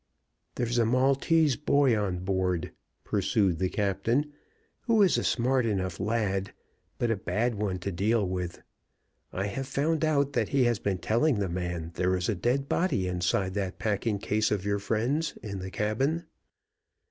"There's a Maltese boy on board," pursued the captain, "who is a smart enough lad, but a bad one to deal with. I have found out that he has been telling the men there is a dead body inside that packing case of your friend's in the cabin."